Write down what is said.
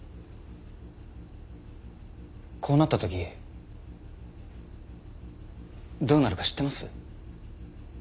こうなった時どうなるか知ってます？